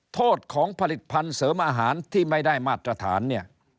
โทษของผลิตภัณฑ์เสริมอาหารที่ไม่ได้มาตรฐานเนี่ย